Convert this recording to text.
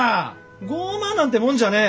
傲慢なんてもんじゃねえ！